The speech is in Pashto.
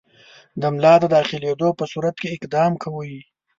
د ملا د داخلېدلو په صورت کې اقدام کوئ.